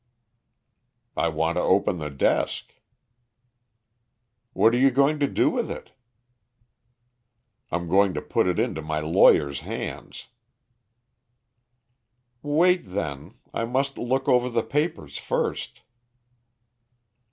"I want to open the desk." "What are you going to do with it?" "I'm going to put it into my lawyer's hands." "Wait then. I must look over the papers first."